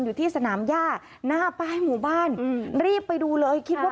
อยู่ที่สนามย่าหน้าป้ายหมู่บ้านรีบไปดูเลยคิดว่า